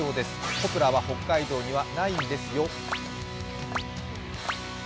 ポプラは北海道にはないんですよ。